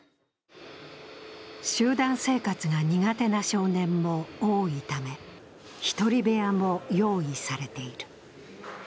集団生活が苦手な少年も多いため、一人部屋も用意されている。